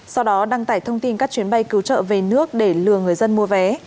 sau đó đăng tải thông tin các chuyến bay cứu trợ về nước để lừa người dân mua vé